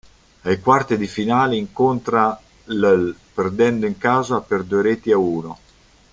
Ai quarti di finale incontra l', perdendo in casa per due reti a uno.